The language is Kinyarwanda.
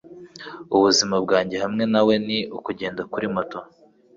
Ubuzima bwanjye hamwe nawe ni ukugenda kuri moto